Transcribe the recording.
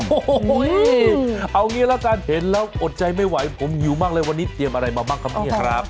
โอ้โหเอางี้ละกันเห็นแล้วอดใจไม่ไหวผมหิวมากเลยวันนี้เตรียมอะไรมาบ้างครับเนี่ยครับ